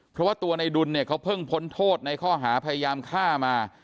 เพราะว่าตัวในดุลเนี่ยเขาเพิ่งพ้นโทษในข้อหาพยายามฆ่ามา